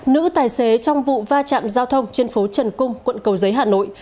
nữ tài xế trong vụ va chạm giao thông trên phố trần cung quận cầu giấy hà nội